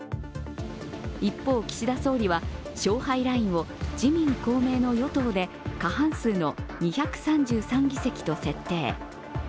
一方、岸田総理は勝敗ラインを自民・公明の与党で過半数の２３３議席と設定。